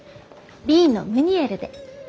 Ｂのムニエルで。